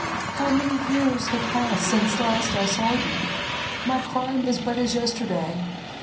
How many years have passed, since last I saw you! My crime is but as yesterday.